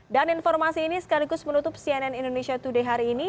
informasi ini sekaligus menutup cnn indonesia today hari ini